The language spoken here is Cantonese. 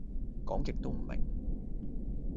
講極都唔明